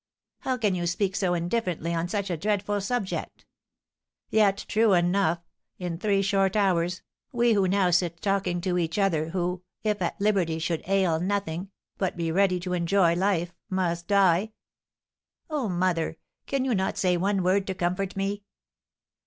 "How can you speak so indifferently on such a dreadful subject? Yet true enough; in three short hours, we who now sit talking to each other, who, if at liberty, should ail nothing, but be ready to enjoy life, must die. Oh, mother, can you not say one word to comfort me?"